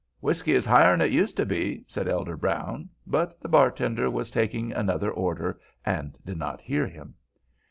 "Whiskey is higher'n used to be," said Elder Brown; but the bartender was taking another order, and did not hear him.